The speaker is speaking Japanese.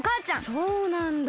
そうなんだ。